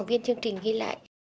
kênh chương trình ghi lại